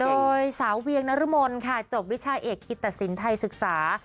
โดยสาวเวียงนรมนค่ะจบวิชาเอกกิตสินไทยศึกษา